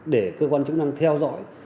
để cơ quan chức năng theo dõi